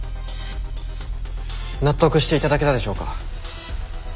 納得していただけたでしょうか。